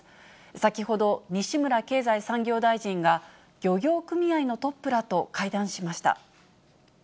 先ほど、西村経済産業大臣が、漁業組合のトップらと会談しました。